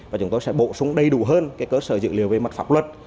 và chúng tôi sẽ bổ sung đầy đủ hơn cái cơ sở dự liệu về mặt pháp luật